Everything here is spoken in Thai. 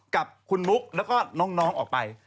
กับคุณมุกแล้วก็น้องออกไป